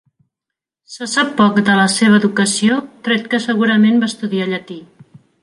Se sap poc de la seva educació, tret que segurament va estudiar llatí.